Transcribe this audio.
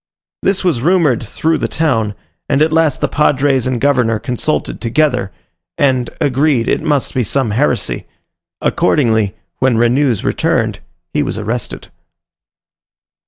This was rumoured through the town, and at last the padres and governor consulted together, and agreed it must be some heresy. Accordingly, when Renous returned, he was arrested.